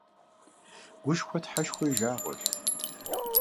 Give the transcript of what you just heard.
Гушхуэ тхьэшхуэ и жагъуэщ.